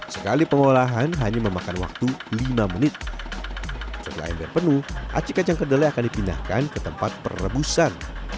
sekali pengolahan hanya memakan waktu lima menit setelah ember penuh aci kacang kedelai akan dipindahkan ke tempat perebusan